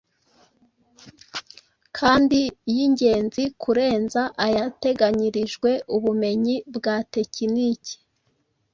kandi y’ingenzi kurenza ayateganyirijwe ubumenyi bwa tekiniki.